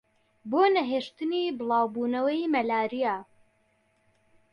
بۆ نەهێشتنی بڵاوبوونەوەی مەلاریا